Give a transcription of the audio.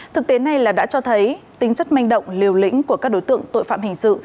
thực tế này là đã cho thấy tính chất manh động liều lĩnh của các đối tượng tội phạm hình sự